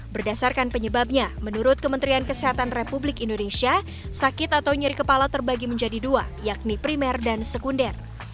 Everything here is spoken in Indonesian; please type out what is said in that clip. berdasarkan penyebabnya menurut kementerian kesehatan republik indonesia sakit atau nyeri kepala terbagi menjadi dua yakni primer dan sekunder